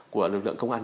của lực lượng công an